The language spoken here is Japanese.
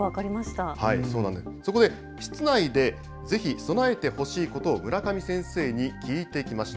そこで室内でぜひ備えてほしいことを村上先生に聞いてきました。